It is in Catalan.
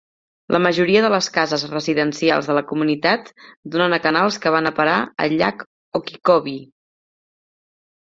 La majoria de les cases residencials de la comunitat donen a canals que van a parar al llac Okeechobee.